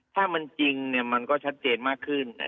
ถ้ามันจริงมันก็ชัดเจนมากขึ้น